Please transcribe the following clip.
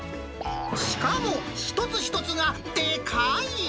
しかも一つ一つがでかい。